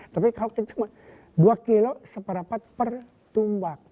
tapi kalau dua kilo seperapat per tumbak